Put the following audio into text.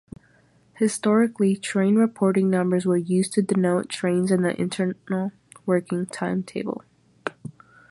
Historically train reporting numbers were used to denote trains in the internal working timetable.